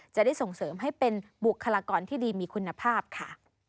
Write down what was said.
จะได้ส่งเสริมให้เป็นบุคลากรที่ดีมีคุณภาพค่ะ